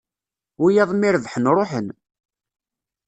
Wiyaḍ mi rebḥen ruḥen